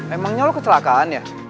emangnya lo kecelakaan ya